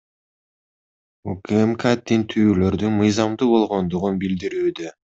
УКМК тинтүүлөрдүн мыйзамдуу болгондугун билдирүүдө.